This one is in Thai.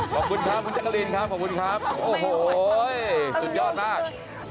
ขอบคุณค่ะคุณจักรีนขอบคุณค่ะโอ้โหสุดยอดมาก